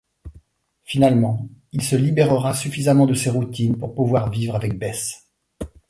Finalement, il se libérera suffisamment de ses routines pour pouvoir vivre avec Beth.